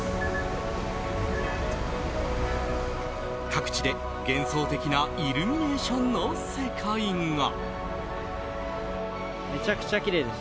各地で幻想的なイルミネーションの世界が。